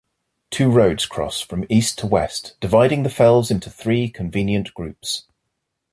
Two roads cross from east to west, dividing the fells into three convenient groups.